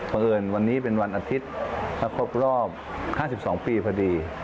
เพราะเอิญวันนี้เป็นวันอาทิตย์มาครบรอบ๕๒ปีพอดี